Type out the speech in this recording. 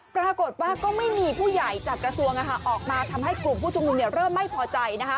ปรากฏว่าก็ไม่มีผู้ใหญ่จากกระทรวงออกมาทำให้กลุ่มผู้ชุมนุมเริ่มไม่พอใจ